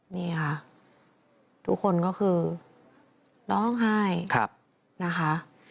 นี่ค่ะทุกคนก็คือร้องไห้นะคะ